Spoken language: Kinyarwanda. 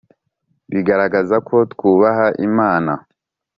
bigaragaza ko twubaha Imana